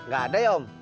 gak ada ya om